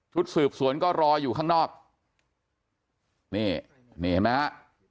ชุดสืบสวนก็รออยู่ข้างนอกนี่เห็นไหมครับ